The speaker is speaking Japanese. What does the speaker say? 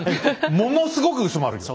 ものすごく薄まるよ。